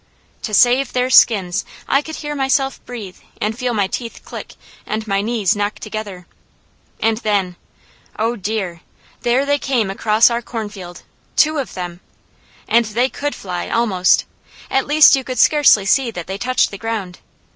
To save their skins! I could hear myself breathe, and feel my teeth click, and my knees knock together. And then! Oh dear! There they came across our cornfield. Two of them! And they could fly, almost. At least you could scarcely see that they touched the ground.